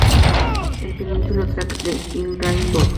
Es el penúltimo track de "In Rainbows".